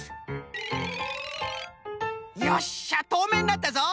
よっしゃとうめいになったぞ！